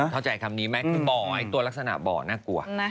เข้าใจคำนี้ไหมคือบ่อไอ้ตัวลักษณะบ่อน่ากลัว